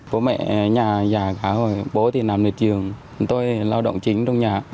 bố mẹ nhà già khá rồi bố thì nằm nơi trường tôi là lao động chính trong nhà